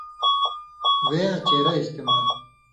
وےیاں چېرہ استعمال